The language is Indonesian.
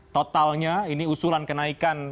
totalnya ini usulan kenaikan